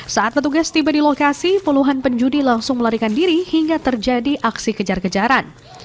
saat petugas tiba di lokasi puluhan penjudi langsung melarikan diri hingga terjadi aksi kejar kejaran